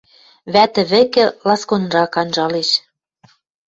Вӓтӹ вӹкӹ ласконрак анжалеш